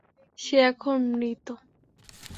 সে এখন মৃত।